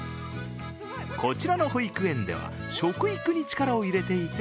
こちらの保育園では、食育に力を入れていて